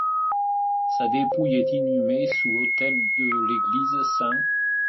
Sa dépouille est inhumée sous l'autel de l'église St.